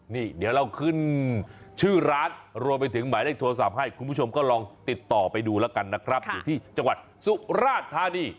นี่เดี๋ยวเราขึ้นชื่อร้านรวมไปถึงหมายเลขโทรศัพท์ให้คุณผู้ชมก็ลองติดต่อไปดูแล้วกันนะครับอยู่ที่จังหวัดสุราธานี